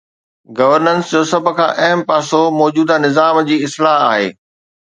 Governance جو سڀ کان اهم پاسو موجوده نظام جي اصلاح آهي.